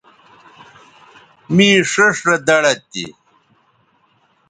می ݜیئݜ رے دڑد تھی